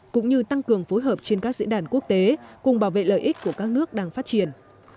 cũng như tăng cường phối hợp trên các diễn đàn quốc tế cùng bảo vệ lợi ích của các nước đang phát triển